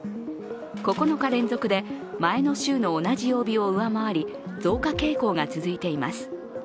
９日連続で前の週の同じ曜日を上回り増加傾向が続いています。